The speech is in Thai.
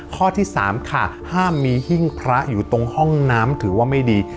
ข้อที่๓ค่ะห้ามมีหิ้งพระอยู่ตรงห้องน้ำถือว่าไม่ดี